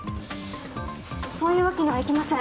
そういうわけにはいきません